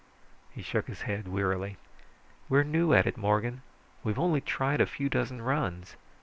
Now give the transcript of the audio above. He shook his head wearily. "We're new at it, Morgan. We've only tried a few dozen runs.